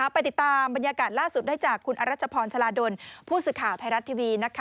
ไปติดตามบรรยากาศล่าสุดได้จากคุณอรัชพรชลาดลผู้สื่อข่าวไทยรัฐทีวี